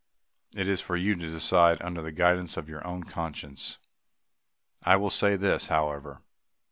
It is for you to decide under the guidance of your own conscience. I will say this, however.